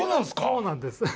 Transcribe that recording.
そうなんです。